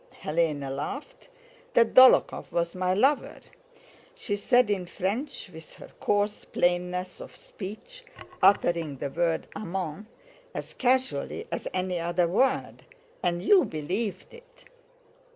Hélène laughed, "that Dólokhov was my lover," she said in French with her coarse plainness of speech, uttering the word amant as casually as any other word, "and you believed it!